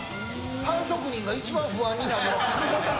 パン職人が一番不安になるやつ。